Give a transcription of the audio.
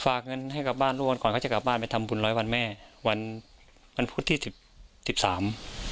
เงินให้กลับบ้านทุกวันก่อนเขาจะกลับบ้านไปทำบุญร้อยวันแม่วันวันพุธที่สิบสิบสาม